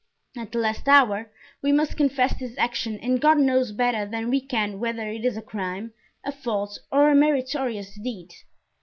At the last hour we must confess this action and God knows better than we can whether it is a crime, a fault, or a meritorious deed.